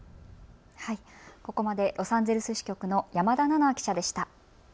ここまでロサンゼルス支局の山田奈々記者でした。